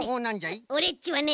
オレっちはね